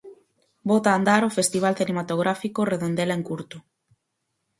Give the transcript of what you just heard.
Bota a andar o festival cinematográfico Redondela en Curto.